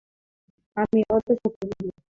আমি অত শত বুঝি না।